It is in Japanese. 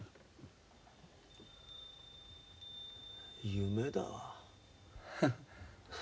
夢だ。